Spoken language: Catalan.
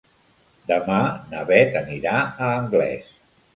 Demà na Beth anirà a Anglès.